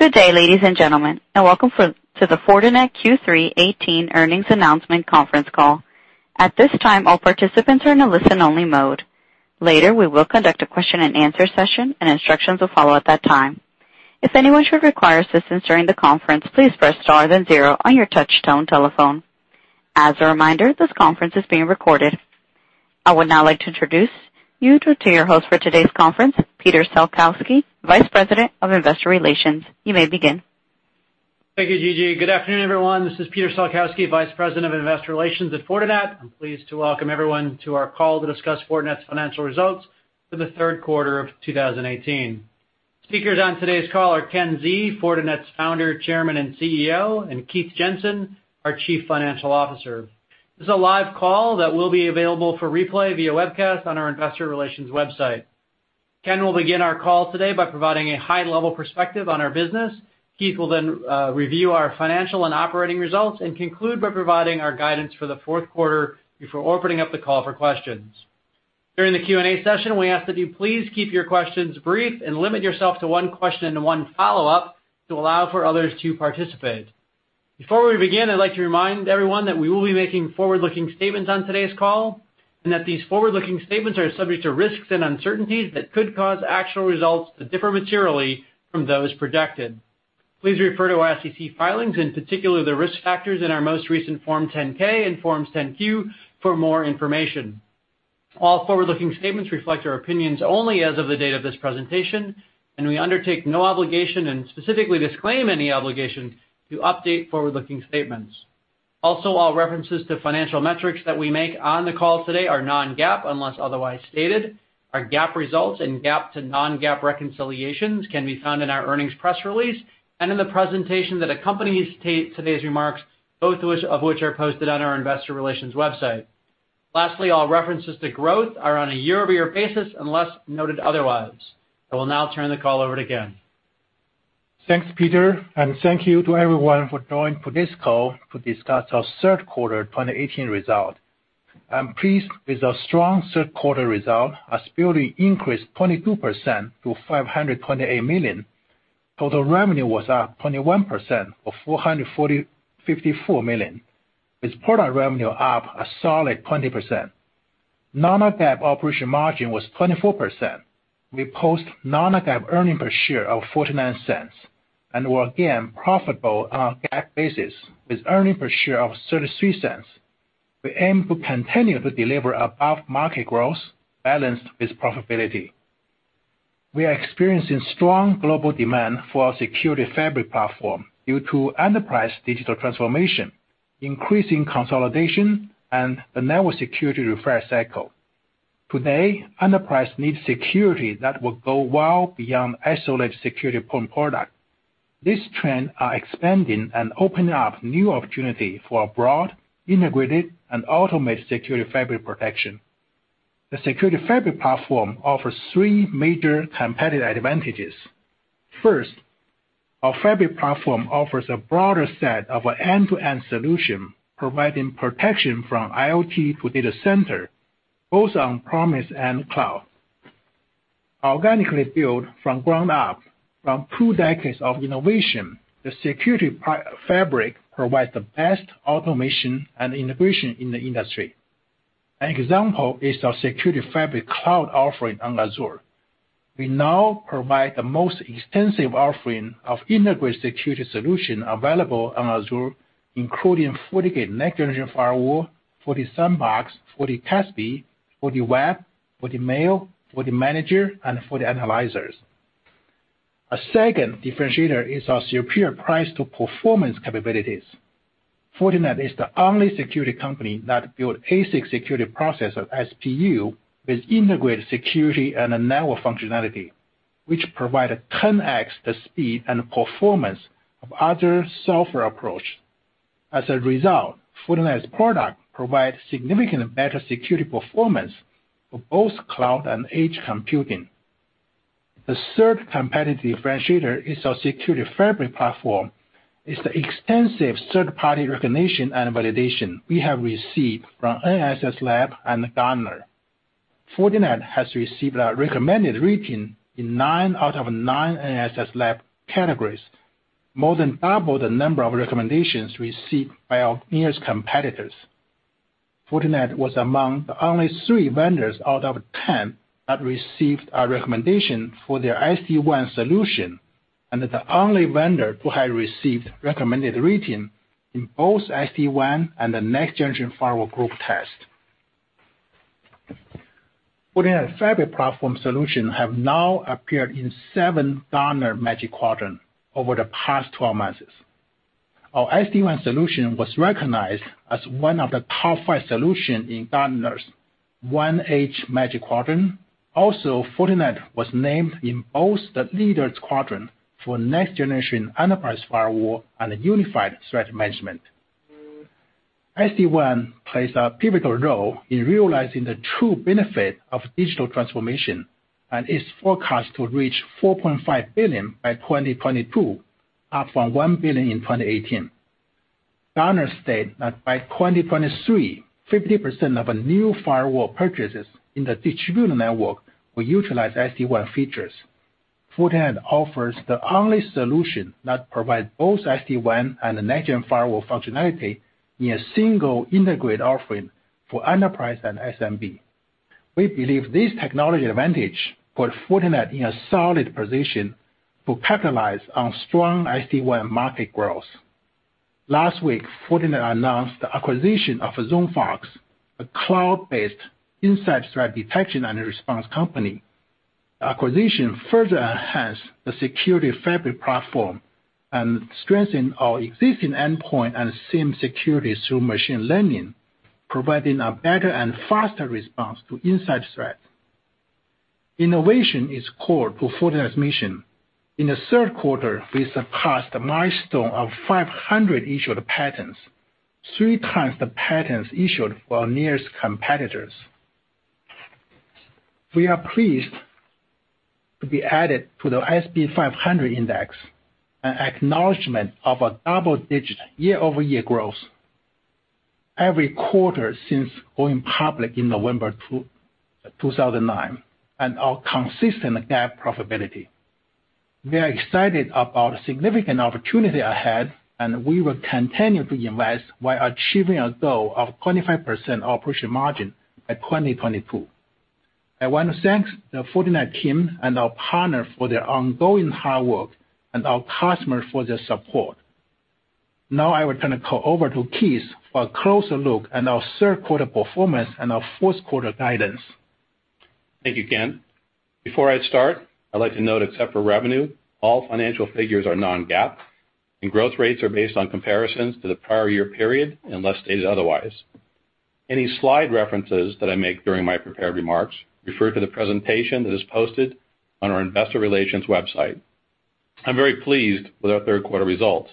Good day, ladies and gentlemen, and welcome to the Fortinet Q3 2018 earnings announcement conference call. At this time, all participants are in a listen-only mode. Later, we will conduct a question and answer session, and instructions will follow at that time. If anyone should require assistance during the conference, please press star then zero on your touch tone telephone. As a reminder, this conference is being recorded. I would now like to introduce you to your host for today's conference, Peter Salkowski, Vice President of Investor Relations. You may begin. Thank you, Gigi. Good afternoon, everyone. This is Peter Salkowski, Vice President of Investor Relations at Fortinet. I am pleased to welcome everyone to our call to discuss Fortinet's financial results for the third quarter of 2018. Speakers on today's call are Ken Xie, Fortinet's Founder, Chairman, and CEO, and Keith Jensen, our Chief Financial Officer. This is a live call that will be available for replay via webcast on our investor relations website. Ken will begin our call today by providing a high-level perspective on our business. Keith will then review our financial and operating results and conclude by providing our guidance for the fourth quarter before opening up the call for questions. During the Q&A session, we ask that you please keep your questions brief and limit yourself to one question and one follow-up to allow for others to participate. Before we begin, I'd like to remind everyone that we will be making forward-looking statements on today's call, and that these forward-looking statements are subject to risks and uncertainties that could cause actual results to differ materially from those projected. Please refer to our SEC filings, and in particular, the risk factors in our most recent Form 10-K and Forms 10-Q for more information. Also, all references to financial metrics that we make on the call today are non-GAAP unless otherwise stated. Our GAAP results and GAAP to non-GAAP reconciliations can be found in our earnings press release and in the presentation that accompanies today's remarks, both of which are posted on our investor relations website. Lastly, all references to growth are on a year-over-year basis, unless noted otherwise. I will now turn the call over to Ken. Thanks, Peter, and thank you to everyone for joining this call to discuss our third quarter 2018 result. I'm pleased with our strong third quarter result as bill increased 22% to $528 million. Total revenue was up 21% of $454 million, with product revenue up a solid 20%. Non-GAAP operating margin was 24%. We post non-GAAP earnings per share of $0.49 and were again profitable on a GAAP basis with earnings per share of $0.33. We aim to continue to deliver above-market growth balanced with profitability. We are experiencing strong global demand for our Security Fabric platform due to enterprise digital transformation, increasing consolidation, and the network security refresh cycle. Today, enterprise needs security that will go well beyond isolated security point products. These trends are expanding and opening up new opportunities for broad, integrated, and automated Security Fabric protection. The Security Fabric platform offers three major competitive advantages. First, our fabric platform offers a broader set of end-to-end solution, providing protection from IoT to data center, both on-premises and cloud. Organically built from ground up from two decades of innovation, the Security Fabric provides the best automation and integration in the industry. An example is our Security Fabric cloud offering on Azure. We now provide the most extensive offering of integrated security solution available on Azure, including FortiGate next-generation firewall, FortiSandbox, FortiCASB, FortiWeb, FortiMail, FortiManager, and FortiAnalyzer. A second differentiator is our superior price to performance capabilities. Fortinet is the only security company that build ASIC security processor, SPU, with integrated security and a network functionality, which provide 10x the speed and performance of other software approach. As a result, Fortinet's product provide significantly better security performance for both cloud and edge computing. The third competitive differentiator is our Security Fabric platform, is the extensive third-party recognition and validation we have received from NSS Labs and Gartner. Fortinet has received a recommended rating in 9 out of 9 NSS Labs categories, more than double the number of recommendations received by our nearest competitors. Fortinet was among the only three vendors out of 10 that received a recommendation for their SD-WAN solution, and the only vendor to have received recommended rating in both SD-WAN and the next-generation firewall group test. Fortinet Fabric platform solution have now appeared in seven Gartner Magic Quadrant over the past 12 months. Our SD-WAN solution was recognized as one of the top five solution in Gartner's WAN Edge Magic Quadrant. Also, Fortinet was named in both the Leaders Quadrant for next-generation enterprise firewall and Unified Threat Management. SD-WAN plays a pivotal role in realizing the true benefit of digital transformation and is forecast to reach $4.5 billion by 2022, up from $1 billion in 2018. Gartner state that by 2023, 50% of new firewall purchases in the distributor network will utilize SD-WAN features. Fortinet offers the only solution that provides both SD-WAN and the next-gen firewall functionality in a single integrated offering for enterprise and SMB. We believe this technology advantage put Fortinet in a solid position to capitalize on strong SD-WAN market growth. Last week, Fortinet announced the acquisition of ZoneFox, a cloud-based insider threat detection and response company. Acquisition further enhances the Security Fabric platform and strengthens our existing endpoint and SIEM security through machine learning, providing a better and faster response to insider threats. Innovation is core to Fortinet's mission. In the third quarter, we surpassed the milestone of 500 issued patents, three times the patents issued for our nearest competitors. We are pleased to be added to the S&P 500 index, an acknowledgment of a double-digit year-over-year growth every quarter since going public in November 2009, and our consistent GAAP profitability. We are excited about the significant opportunity ahead, and we will continue to invest while achieving a goal of 25% operating margin by 2022. I want to thank the Fortinet team and our partners for their ongoing hard work, and our customers for their support. Now, I will turn the call over to Keith for a closer look at our third quarter performance and our fourth quarter guidance. Thank you, Ken. Before I start, I'd like to note, except for revenue, all financial figures are non-GAAP, and growth rates are based on comparisons to the prior year period, unless stated otherwise. Any slide references that I make during my prepared remarks refer to the presentation that is posted on our investor relations website. I'm very pleased with our third quarter results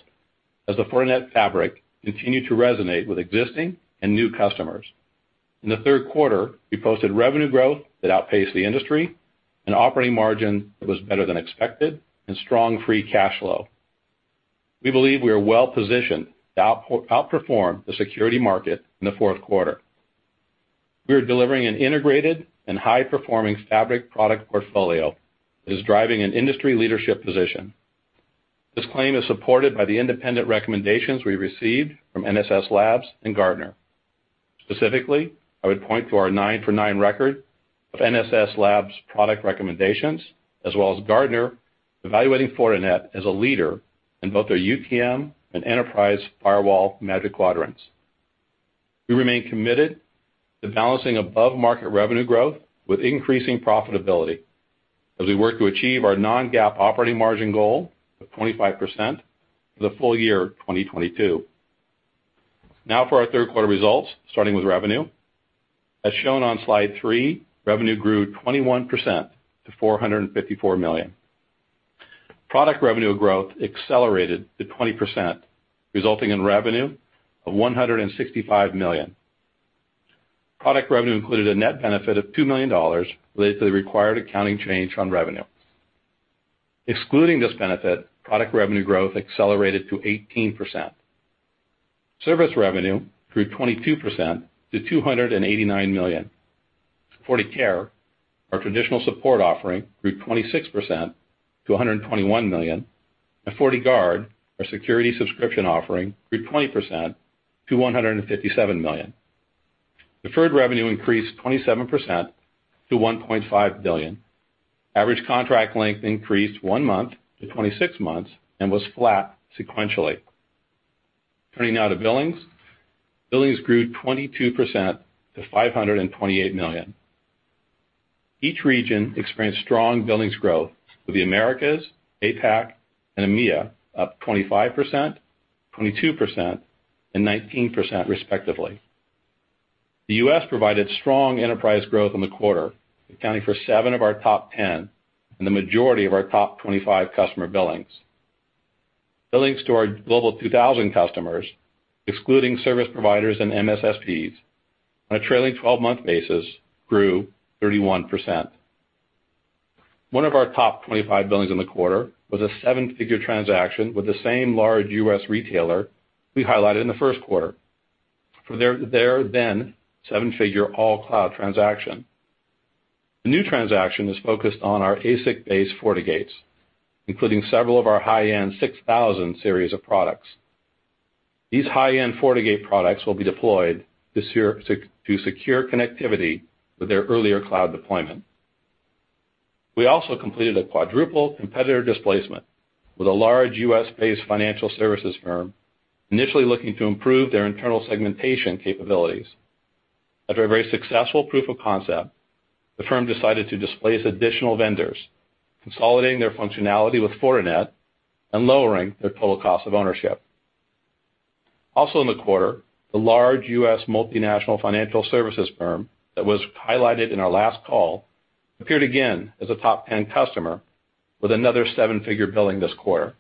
as the Fortinet fabric continued to resonate with existing and new customers. In the third quarter, we posted revenue growth that outpaced the industry, an operating margin that was better than expected, and strong free cash flow. We believe we are well-positioned to outperform the security market in the fourth quarter. We are delivering an integrated and high-performing fabric product portfolio that is driving an industry leadership position. This claim is supported by the independent recommendations we received from NSS Labs and Gartner. Specifically, I would point to our 9 for 9 record of NSS Labs product recommendations, as well as Gartner evaluating Fortinet as a leader in both their UTM and enterprise firewall Magic Quadrants. We remain committed to balancing above-market revenue growth with increasing profitability as we work to achieve our non-GAAP operating margin goal of 25% for the full year 2022. Now for our third quarter results, starting with revenue. As shown on slide three, revenue grew 21% to $454 million. Product revenue growth accelerated to 20%, resulting in revenue of $165 million. Product revenue included a net benefit of $2 million related to the required accounting change on revenue. Excluding this benefit, product revenue growth accelerated to 18%. Service revenue grew 22% to $289 million. FortiCare, our traditional support offering, grew 26% to $121 million, and FortiGuard, our security subscription offering, grew 20% to $157 million. Deferred revenue increased 27% to $1.5 billion. Average contract length increased one month to 26 months and was flat sequentially. Turning now to billings. Billings grew 22% to $528 million. Each region experienced strong billings growth, with the Americas, APAC, and EMEA up 25%, 22%, and 19% respectively. The U.S. provided strong enterprise growth in the quarter, accounting for 7 of our top 10 and the majority of our top 25 customer billings. Billings to our Global 2000 customers, excluding service providers and MSSPs, on a trailing 12-month basis, grew 31%. One of our top 25 billings in the quarter was a $7-figure transaction with the same large U.S. retailer we highlighted in the first quarter for their then $7-figure all-cloud transaction. The new transaction is focused on our ASIC-based FortiGates, including several of our high-end 6000 series of products. These high-end FortiGate products will be deployed this year to secure connectivity with their earlier cloud deployment. We also completed a quadruple competitor displacement with a large U.S.-based financial services firm initially looking to improve their internal segmentation capabilities. After a very successful proof of concept, the firm decided to displace additional vendors, consolidating their functionality with Fortinet and lowering their total cost of ownership. Also in the quarter, the large U.S. multinational financial services firm that was highlighted in our last call appeared again as a top 10 customer with another $7-figure billing this quarter.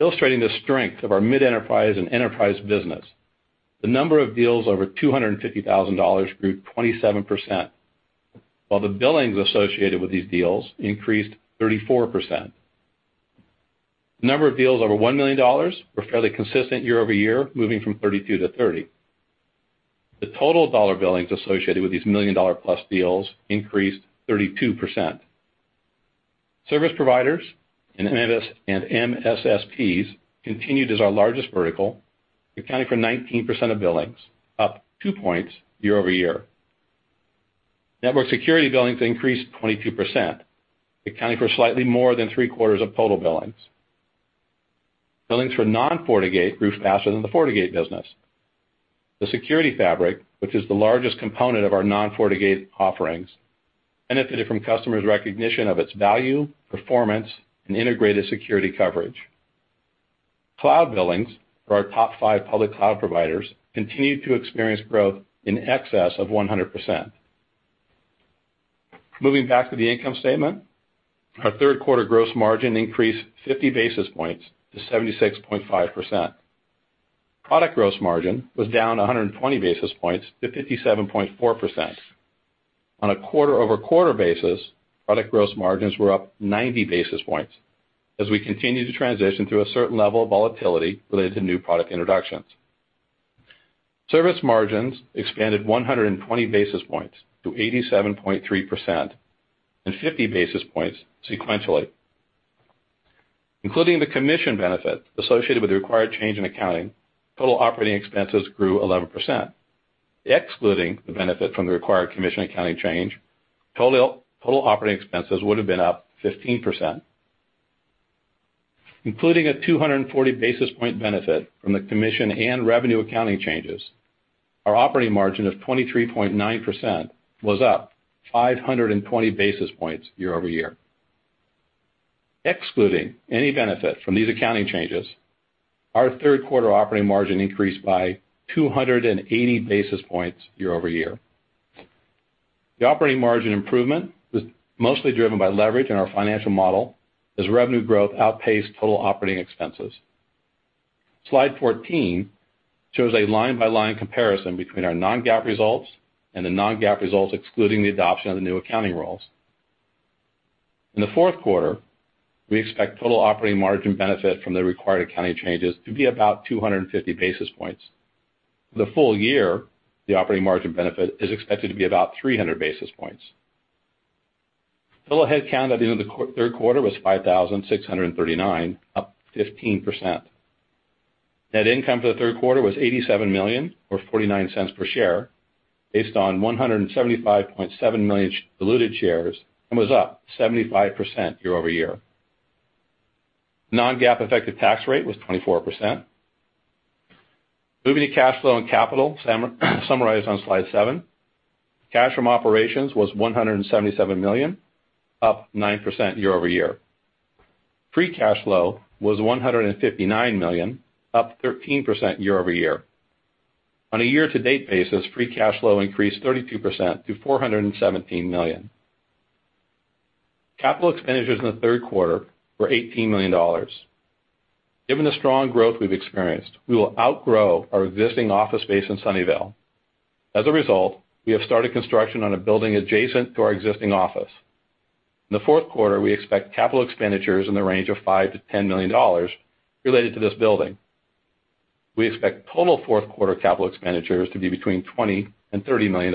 Illustrating the strength of our mid-enterprise and enterprise business, the number of deals over $250,000 grew 27%. While the billings associated with these deals increased 34%. The number of deals over $1 million were fairly consistent year-over-year, moving from 32 to 30. The total dollar billings associated with these million-dollar-plus deals increased 32%. Service providers and MSSPs continued as our largest vertical, accounting for 19% of billings, up two points year-over-year. Network security billings increased 22%, accounting for slightly more than three-quarters of total billings. Billings for non-FortiGate grew faster than the FortiGate business. The Security Fabric, which is the largest component of our non-FortiGate offerings, benefited from customers' recognition of its value, performance, and integrated security coverage. Cloud billings for our top five public cloud providers continued to experience growth in excess of 100%. Moving back to the income statement, our third quarter gross margin increased 50 basis points to 76.5%. Product gross margin was down 120 basis points to 57.4%. On a quarter-over-quarter basis, product gross margins were up 90 basis points as we continue to transition through a certain level of volatility related to new product introductions. Service margins expanded 120 basis points to 87.3%, and 50 basis points sequentially. Including the commission benefit associated with the required change in accounting, total operating expenses grew 11%. Excluding the benefit from the required commission accounting change, total operating expenses would've been up 15%. Including a 240 basis point benefit from the commission and revenue accounting changes, our operating margin of 23.9% was up 520 basis points year-over-year. Excluding any benefit from these accounting changes, our third quarter operating margin increased by 280 basis points year-over-year. The operating margin improvement was mostly driven by leverage in our financial model as revenue growth outpaced total operating expenses. Slide 14 shows a line-by-line comparison between our non-GAAP results and the non-GAAP results excluding the adoption of the new accounting rules. In the fourth quarter, we expect total operating margin benefit from the required accounting changes to be about 250 basis points. The full year, the operating margin benefit is expected to be about 300 basis points. Bill head count at the end of the third quarter was 5,639, up 15%. Net income for the third quarter was $87 million, or $0.49 per share, based on 175.7 million diluted shares, and was up 75% year-over-year. Non-GAAP effective tax rate was 24%. Moving to cash flow and capital, summarized on slide seven. Cash from operations was $177 million, up 9% year-over-year. Free cash flow was $159 million, up 13% year-over-year. On a year-to-date basis, free cash flow increased 32% to $417 million. Capital expenditures in the third quarter were $18 million. Given the strong growth we've experienced, we will outgrow our existing office space in Sunnyvale. As a result, we have started construction on a building adjacent to our existing office. In the fourth quarter, we expect capital expenditures in the range of $5 million-$10 million related to this building. We expect total fourth-quarter capital expenditures to be between $20 million and $30 million.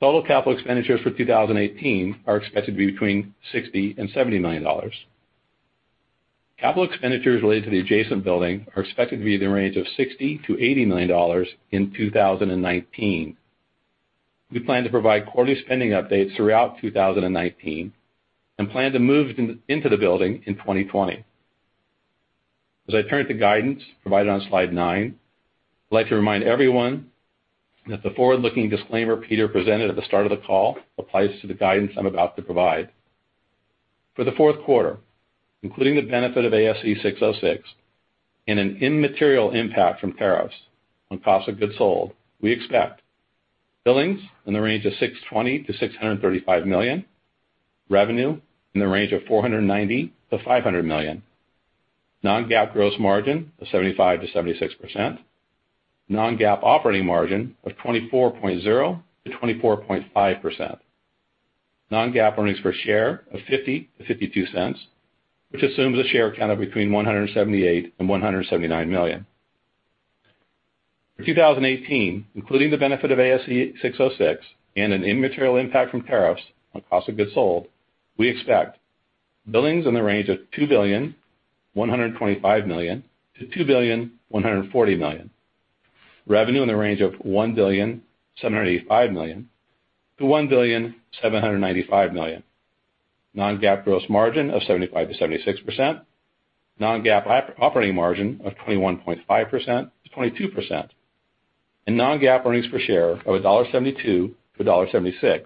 Total capital expenditures for 2018 are expected to be between $60 million and $70 million. Capital expenditures related to the adjacent building are expected to be in the range of $60 million-$80 million in 2019. We plan to provide quarterly spending updates throughout 2019 and plan to move into the building in 2020. As I turn to guidance provided on slide nine, I'd like to remind everyone that the forward-looking disclaimer Peter presented at the start of the call applies to the guidance I'm about to provide. For the fourth quarter, including the benefit of ASC 606 and an immaterial impact from tariffs on cost of goods sold, we expect billings in the range of $620 million-$635 million, revenue in the range of $490 million-$500 million, non-GAAP gross margin of 75%-76%, non-GAAP operating margin of 24.0%-24.5%, non-GAAP earnings per share of $0.50-$0.52, which assumes a share count of between 178 million and 179 million. For 2018, including the benefit of ASC 606 and an immaterial impact from tariffs on cost of goods sold, we expect billings in the range of $2.125 billion-$2.140 billion. Revenue in the range of $1.785 billion-$1.795 billion. Non-GAAP gross margin of 75%-76%. Non-GAAP operating margin of 21.5%-22%. Non-GAAP earnings per share of $1.72-$1.76,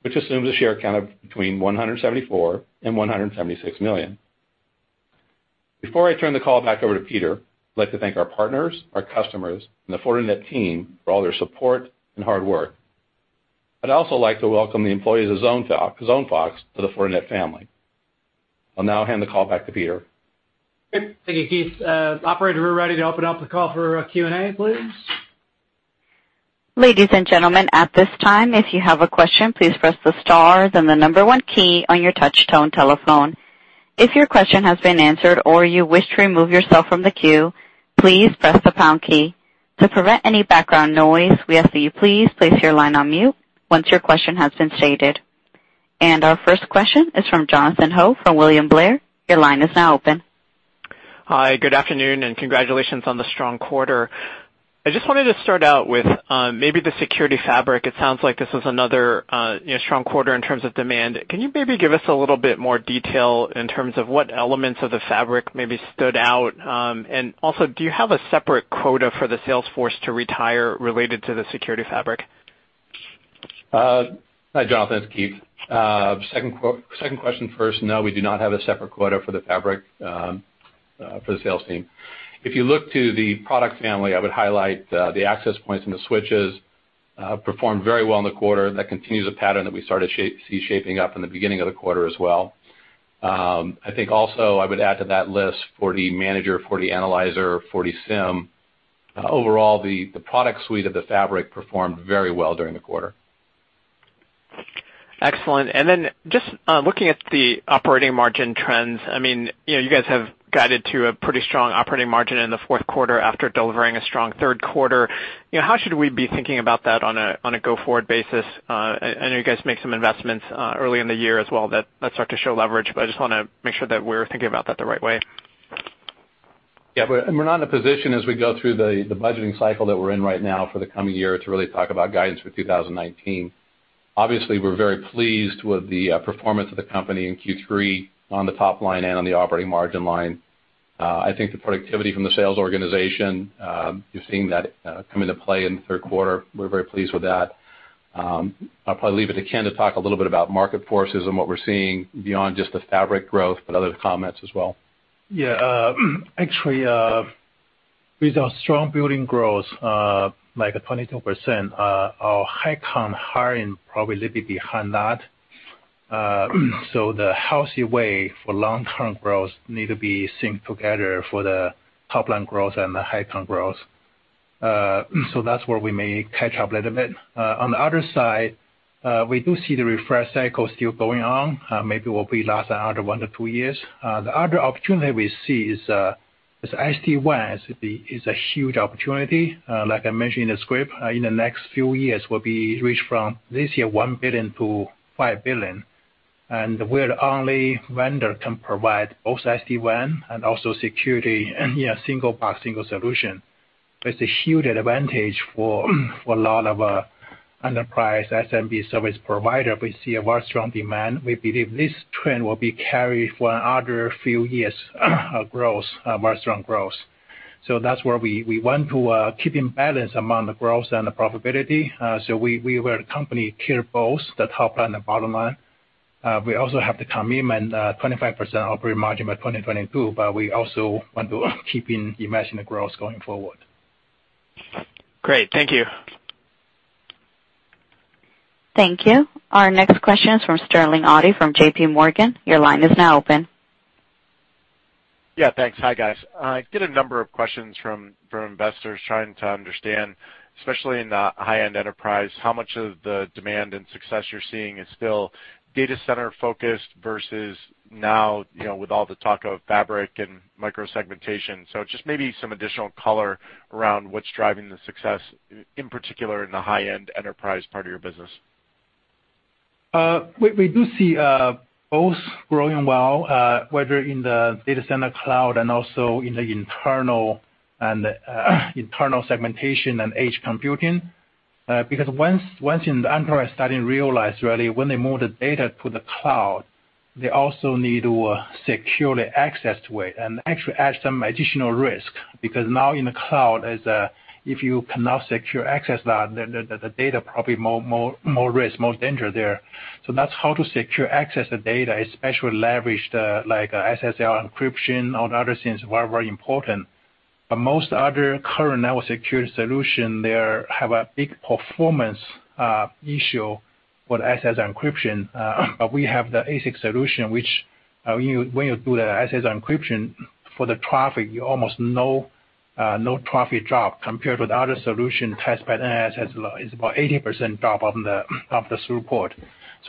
which assumes a share count of between 174 million and 176 million. Before I turn the call back over to Peter, I'd like to thank our partners, our customers, and the Fortinet team for all their support and hard work. I'd also like to welcome the employees of ZoneFox to the Fortinet family. I'll now hand the call back to Peter. Great. Thank you, Keith. Operator, we're ready to open up the call for Q&A, please. Ladies and gentlemen, at this time, if you have a question, please press the star, then the number one key on your touch-tone telephone. If your question has been answered or you wish to remove yourself from the queue, please press the pound key. To prevent any background noise, we ask that you please place your line on mute once your question has been stated. Our first question is from Jonathan Ho from William Blair. Your line is now open. Hi, good afternoon, and congratulations on the strong quarter. I just wanted to start out with maybe the Security Fabric. It sounds like this was another strong quarter in terms of demand. Can you maybe give us a little bit more detail in terms of what elements of the fabric maybe stood out? Also, do you have a separate quota for the sales force to retire related to the Security Fabric? Hi, Jonathan. It's Keith. Second question first. No, we do not have a separate quota for the fabric for the sales team. If you look to the product family, I would highlight the access points and the switches performed very well in the quarter. That continues a pattern that we started to see shaping up in the beginning of the quarter as well. I think also I would add to that list FortiManager, FortiAnalyzer, FortiSIEM. Overall, the product suite of the fabric performed very well during the quarter. Excellent. Then just looking at the operating margin trends, you guys have guided to a pretty strong operating margin in the fourth quarter after delivering a strong third quarter. How should we be thinking about that on a go-forward basis? I know you guys make some investments early in the year as well that start to show leverage, but I just want to make sure that we're thinking about that the right way. Yeah. We're not in a position as we go through the budgeting cycle that we're in right now for the coming year to really talk about guidance for 2019. Obviously, we're very pleased with the performance of the company in Q3 on the top line and on the operating margin line. I think the productivity from the sales organization, you're seeing that come into play in the third quarter. We're very pleased with that. I'll probably leave it to Ken to talk a little bit about market forces and what we're seeing beyond just the fabric growth, but other comments as well. Yeah. Actually, with our strong building growth, like 22%, our high com hiring probably little bit behind that. The healthy way for long-term growth need to be synced together for the top line growth and the high com growth. That's where we may catch up a little bit. On the other side, we do see the refresh cycle still going on. Maybe will be last another one to two years. The other opportunity we see is SD-WAN is a huge opportunity. Like I mentioned in the script, in the next few years will be reached from this year, $1 billion-$5 billion. We're the only vendor can provide both SD-WAN and also security in a single pass, single solution. It's a huge advantage for a lot of enterprise SMB service provider. We see a very strong demand. We believe this trend will be carried for another few years of very strong growth. That's where we want to keep in balance among the growth and the profitability. We were a company clear both the top line and bottom line. We also have the commitment 25% operating margin by 2022, we also want to keep managing the growth going forward. Great. Thank you. Thank you. Our next question is from Sterling Auty from J.P. Morgan. Your line is now open. Yeah. Thanks. Hi, guys. I get a number of questions from investors trying to understand, especially in the high-end enterprise, how much of the demand and success you're seeing is still data center focused versus now, with all the talk of fabric and micro-segmentation. Just maybe some additional color around what's driving the success in particular in the high-end enterprise part of your business. We do see both growing well, whether in the data center cloud and also in the internal segmentation and edge computing. Once in the enterprise starting realize really when they move the data to the cloud, they also need to securely access to it and actually add some additional risk. Now in the cloud, if you cannot secure access that, the data probably more risk, more danger there. That's how to secure access the data, especially leverage the SSL encryption and other things very, very important. Most other current network security solution there have a big performance issue with SSL encryption. We have the ASIC solution, which when you do the SSL encryption for the traffic, you almost no traffic drop compared with other solution test by SSL is about 80% drop of the throughput.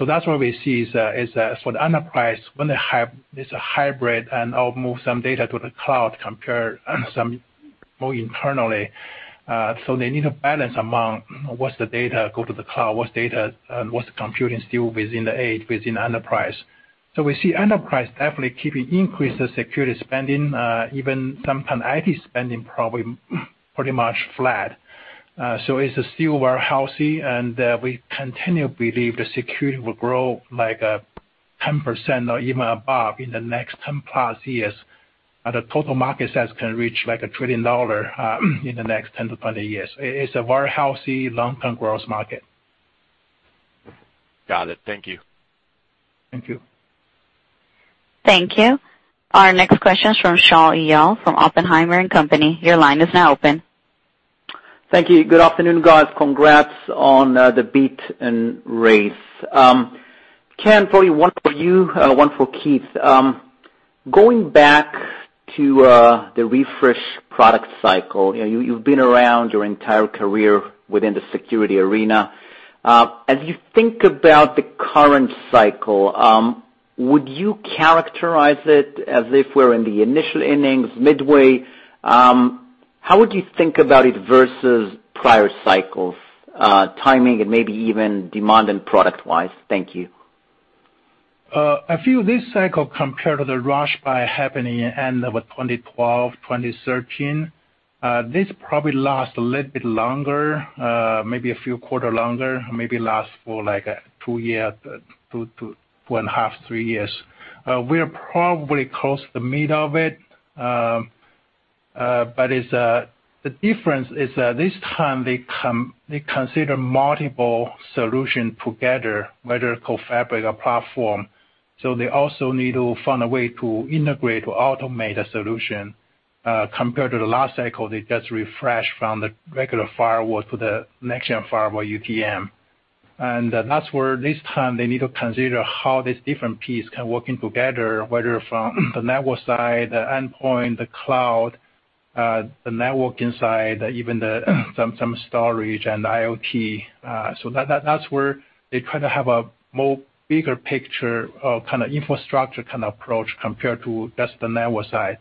That's what we see is that for the enterprise, when it's a hybrid and I'll move some data to the cloud, compare some more internally. They need a balance among what's the data go to the cloud, what's the computing still within the edge, within the enterprise. We see enterprise definitely keeping increasing security spending, even some IT spending probably pretty much flat. It's still very healthy, and we continue believe the security will grow like 10% or even above in the next 10+ years. The total market size can reach like $1 trillion in the next 10-20 years. It's a very healthy long-term growth market. Got it. Thank you. Thank you. Thank you. Our next question is from Shaul Eyal from Oppenheimer & Co.. Your line is now open. Thank you. Good afternoon, guys. Congrats on the beat and raise. Ken, probably one for you and one for Keith. Going back to the refresh product cycle. You've been around your entire career within the security arena. As you think about the current cycle, would you characterize it as if we're in the initial innings midway? How would you think about it versus prior cycles, timing and maybe even demand and product-wise? Thank you. I feel this cycle compared to the rush by happening end of 2012, 2013, this probably last a little bit longer, maybe a few quarter longer, maybe last for like two year, two and a half, three years. We are probably close to the mid of it, but the difference is that this time they consider multiple solution together, whether core fabric or platform. They also need to find a way to integrate or automate a solution. Compared to the last cycle, they just refresh from the regular firewall to the next-gen firewall UTM. That's where this time they need to consider how these different piece can working together, whether from the network side, the endpoint, the cloud, the network inside, even some storage and IoT. That's where they try to have a more bigger picture of infrastructure kind of approach compared to just the network side.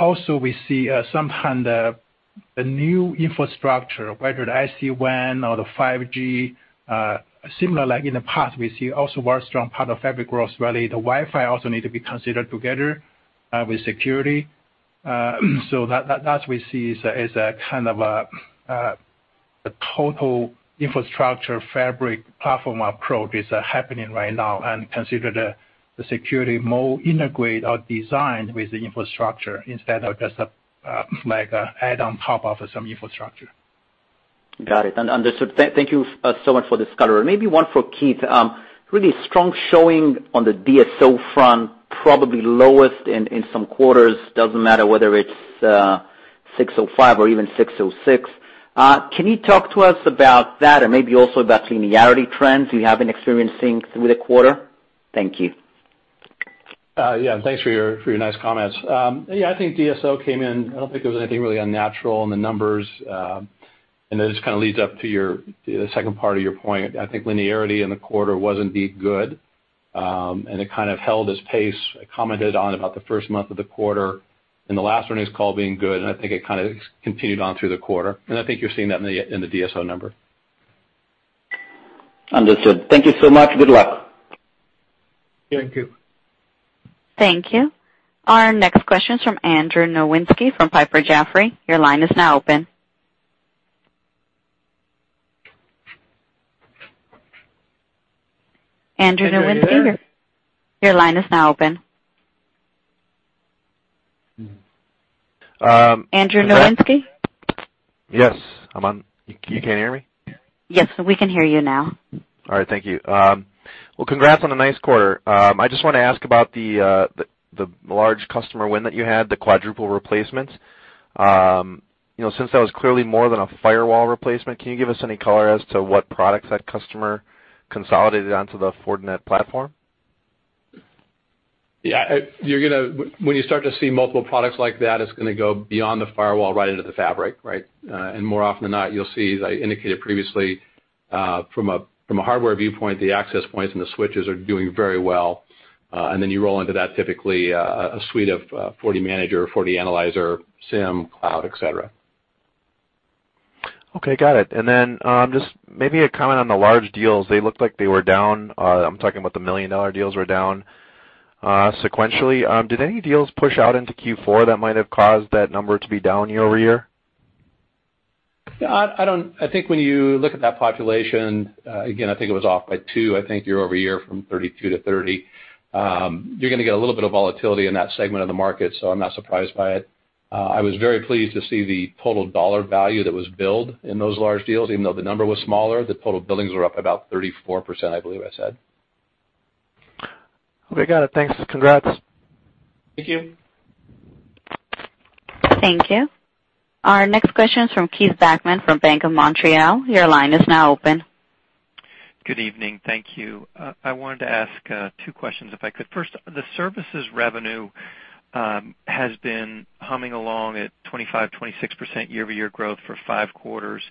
Also we see sometime the new infrastructure, whether the IC1 or the 5G, similar like in the past, we see also very strong part of fabric growth, really the Wi-Fi also need to be considered together with security. That we see is a kind of a total infrastructure fabric platform approach is happening right now and consider the security more integrate or designed with the infrastructure instead of just like add on top of some infrastructure. Got it. Understood. Thank you so much for this color. Maybe one for Keith. Really strong showing on the DSO front, probably lowest in some quarters, doesn't matter whether it's 605 or even 606. Can you talk to us about that or maybe also about linearity trends you have been experiencing through the quarter? Thank you. Thanks for your nice comments. I think DSO came in, I don't think there was anything really unnatural in the numbers. It just kind of leads up to the second part of your point. I think linearity in the quarter was indeed good, and it kind of held its pace. I commented on about the first month of the quarter and the last earnings call being good, and I think it kind of continued on through the quarter, and I think you're seeing that in the DSO number. Understood. Thank you so much. Good luck. Thank you. Thank you. Our next question is from Andrew Nowinski from Piper Jaffray. Your line is now open. Andrew Nowinski, your line is now open. Andrew Nowinski? Yes, I'm on. You can't hear me? Yes, we can hear you now. All right, thank you. Well, congrats on a nice quarter. I just want to ask about the large customer win that you had, the quadruple replacement. Since that was clearly more than a firewall replacement, can you give us any color as to what products that customer consolidated onto the Fortinet platform? Yeah. When you start to see multiple products like that, it's going to go beyond the firewall right into the fabric, right? More often than not, you'll see, as I indicated previously, from a hardware viewpoint, the access points and the switches are doing very well. You roll into that typically, a suite of FortiManager, FortiAnalyzer, SIEM, cloud, et cetera. Okay, got it. Then, just maybe a comment on the large deals. They looked like they were down. I'm talking about the million-dollar deals were down sequentially. Did any deals push out into Q4 that might have caused that number to be down year-over-year? I think when you look at that population, again, I think it was off by two, I think year-over-year from 32 to 30. You're going to get a little bit of volatility in that segment of the market, so I'm not surprised by it. I was very pleased to see the total dollar value that was billed in those large deals, even though the number was smaller. The total billings were up about 34%, I believe I said. Okay, got it. Thanks. Congrats. Thank you. Thank you. Our next question is from Keith Bachman from Bank of Montreal. Your line is now open. Good evening. Thank you. I wanted to ask two questions if I could. First, the services revenue has been humming along at 25%, 26% year-over-year growth for 5 quarters.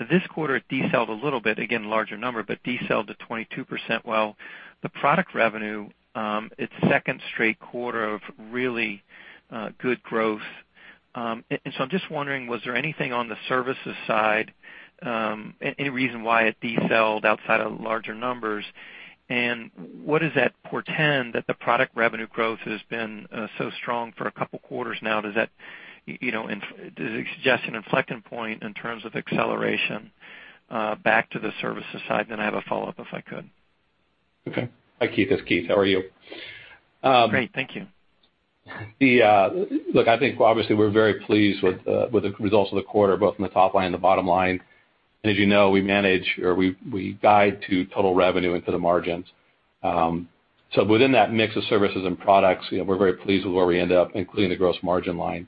This quarter, it decelerated a little bit. Again, larger number, but decelerated to 22%, while the product revenue, its second straight quarter of really good growth. I'm just wondering, was there anything on the services side, any reason why it decelerated outside of larger numbers? What does that portend that the product revenue growth has been so strong for a couple quarters now? Does it suggest an inflection point in terms of acceleration back to the services side? I have a follow-up if I could. Hi, Keith, it's Keith. How are you? Great, thank you. I think obviously we're very pleased with the results of the quarter, both from the top line and the bottom line. As you know, we manage or we guide to total revenue and to the margins. Within that mix of services and products, we're very pleased with where we end up, including the gross margin line.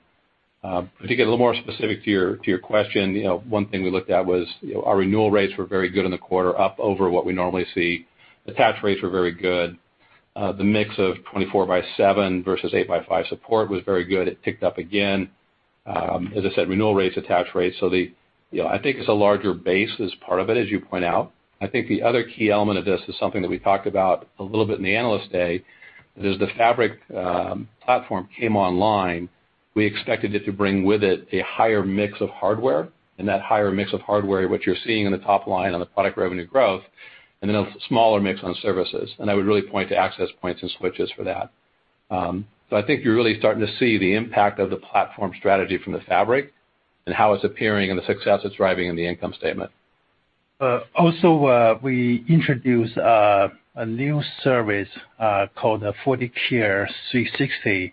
To get a little more specific to your question, one thing we looked at was our renewal rates were very good in the quarter, up over what we normally see. Attach rates were very good. The mix of 24 by 7 versus 8 by 5 support was very good. It picked up again. As I said, renewal rates, attach rates. I think it's a larger base as part of it, as you point out. I think the other key element of this is something that we talked about a little bit in the Analyst Day, is the Fabric platform came online. We expected it to bring with it a higher mix of hardware, and that higher mix of hardware, which you're seeing in the top line on the product revenue growth, and then a smaller mix on services, and I would really point to access points and switches for that. I think you're really starting to see the impact of the platform strategy from the Fabric and how it's appearing and the success it's driving in the income statement. We introduced a new service, called the FortiCare 360.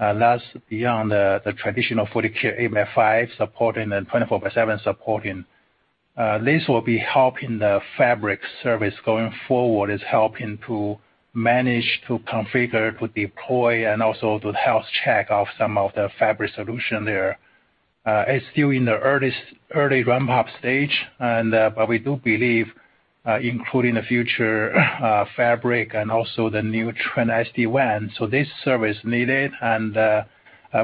That's beyond the traditional FortiCare 8x5 supporting and 24x7 supporting. This will be helping the Fabric service going forward. It's helping to manage, to configure, to deploy and also do the health check of some of the Fabric solution there. It's still in the early ramp-up stage, but we do believe, including the future Fabric and also the new trend, SD-WAN. This service needed, and